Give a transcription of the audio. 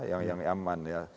yang aman ya